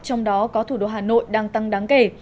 trong đó có thủ đô hà nội đang tăng đáng kể